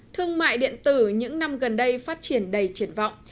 thương mại điện tử những năm gần đây phát triển đầy triển vọng